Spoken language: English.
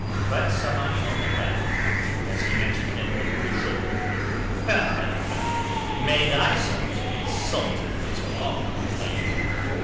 But Tsamanni only laughed, as he answered him over his shoulder— "May thy sons be sultans all, Ayoub!"